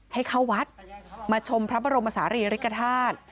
ให้เข้าวัดมาชมพระบรมศาลีริกฐาตุ